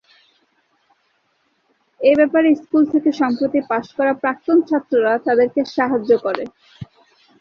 এ ব্যাপারে স্কুল থেকে সম্প্রতি পাস করা প্রাক্তন ছাত্ররা তাদেরকে সাহায্য করে।